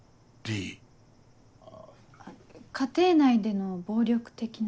家庭内での暴力的な。